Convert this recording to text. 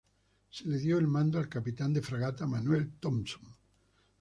Se le dio el mando al capitán de fragata Manuel Thomson.